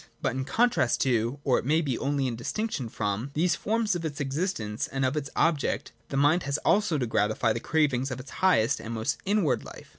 But in contrast to, or it may be only in distinction from, these forms of its existence and of its objects, the mind has also to gratify the cravings of its highest and most inward life.